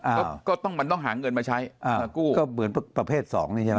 ก็ก็ต้องมันต้องหาเงินมาใช้อ่ามากู้ก็เหมือนประเภทสองนี่ใช่ไหม